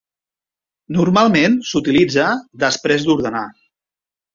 Normalment s'utilitza després d'ordenar.